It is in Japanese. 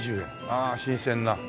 ああ新鮮な。